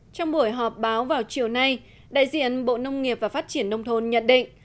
trong buổi họp báo vào chiều nay đại diện bộ nông nghiệp và phát triển nông thôn nhận định